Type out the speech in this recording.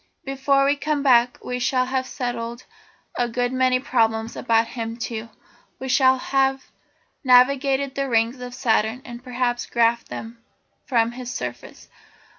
Before we come back we shall have settled a good many problems about him, too. We shall have navigated the rings of Saturn, and perhaps graphed them from his surface.